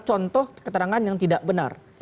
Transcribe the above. contoh keterangan yang tidak benar